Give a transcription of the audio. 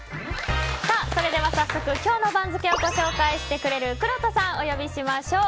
早速、今日の番付をご紹介してくれるくろうとさん、お呼びしましょう。